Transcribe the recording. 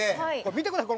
見てください